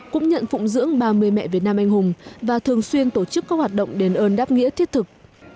cũng nhận phụng dưỡng ba mươi mẹ việt nam anh hùng và thường xuyên tổ chức các hoạt động đền ơn đáp nghĩa thiết thực